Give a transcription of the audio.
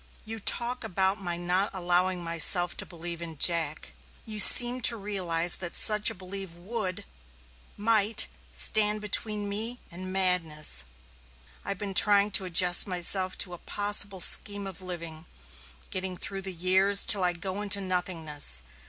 "You talk about my not allowing myself to believe in Jack. You seem not to realize that such a belief would might stand between me and madness. I've been trying to adjust myself to a possible scheme of living getting through the years till I go into nothingness.